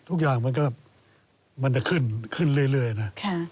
ทุกอย่างมันก็ขึ้นเรื่อยนะ